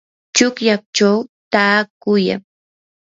chuklallachaw taakuyan.